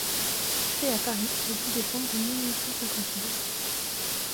Fait à Paris, le dix décembre mille huit cent cinquante-deux.